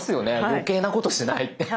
余計なことしないって。